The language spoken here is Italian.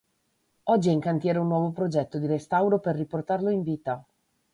Oggi è in cantiere un nuovo progetto di restauro per riportarlo in vita.